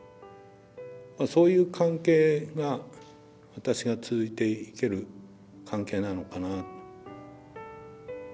そういう関係が私が続いていける関係なのかな。